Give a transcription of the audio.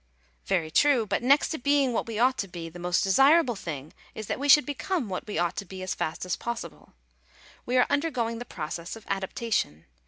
Very true; but next to being what we ought to be, i the most desirable thing is that we should become what we J ought to be as fast as possible. We are undergoing the process of adaptation.